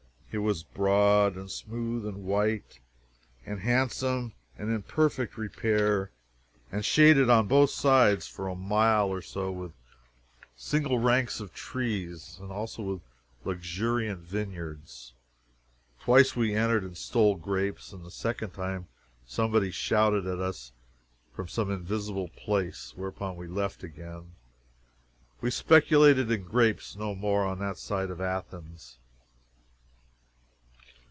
It was broad, and smooth, and white handsome and in perfect repair, and shaded on both sides for a mile or so with single ranks of trees, and also with luxuriant vineyards. Twice we entered and stole grapes, and the second time somebody shouted at us from some invisible place. Whereupon we left again. We speculated in grapes no more on that side of Athens.